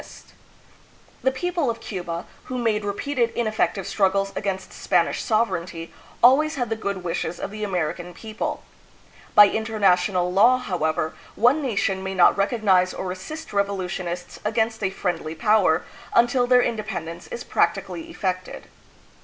292 THE PHILIPPINES. The people of Cuba, who made repeated ineffective strug gles against Spanish sovereignty, always had the good wishes of the American people. By international law, however, one nation may not recognize or assist revolu tionists against a friendly power until their independence is practically effected.